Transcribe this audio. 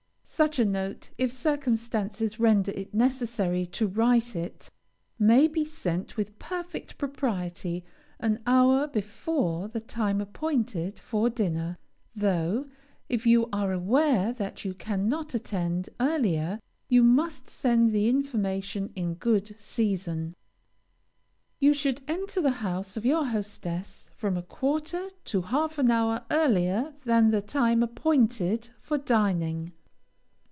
Such a note, if circumstances render it necessary to write it, may be sent with perfect propriety an hour before the time appointed for dinner, though, if you are aware that you cannot attend, earlier, you must send the information in good season. You should enter the house of your hostess from a quarter to half an hour earlier than the time appointed for dining.